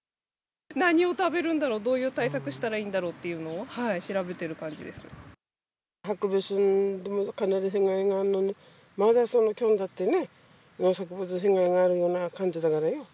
何を食べるんだろう、どういう対策したらいいんだろうというのをハクビシンでもかなり被害があるのに、まだそのキョンってね、農作物に被害があるような感じだからね。